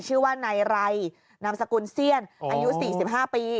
ชื่อว่านายไรนามสกุลเซี่ยนอายุ๔๕ปี